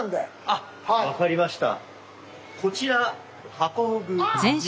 あっ分かりました。